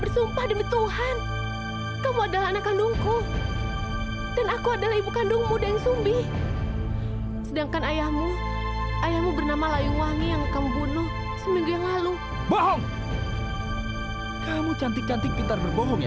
sampai jumpa di video selanjutnya